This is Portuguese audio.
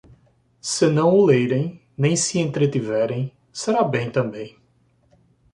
Senão o lerem, nem se entretiverem, será bem também.